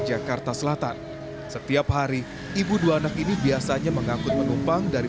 jakarta selatan setiap hari ibu dua anak ini biasanya mengangkut penumpang dari